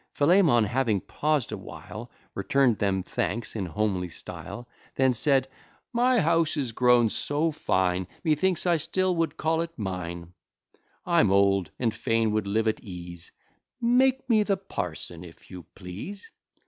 Philemon, having paused a while, Return'd them thanks in homely style; Then said, "My house is grown so fine, Methinks, I still would call it mine. I'm old, and fain would live at ease; Make me the parson if you please."